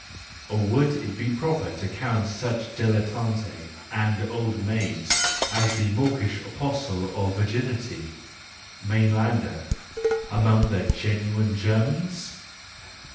Or would it be proper to count such dilettanti and old maids as the mawkish apostle of virginity, Mainlander, among the genuine Germans?